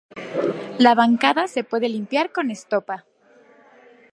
La bancada se puede limpiar con estopa.